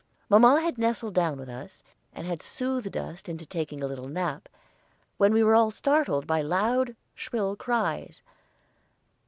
Mamma had nestled down with us, and had soothed us into taking a little nap, when we were all startled by loud, shrill cries.